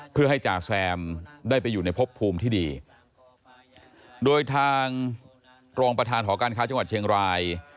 เพื่อให้จ่าแซมได้ไปอยู่ในพบภูมิที่ดีโดยทางรองประธานหอการค้าจังหวัดเชียงราย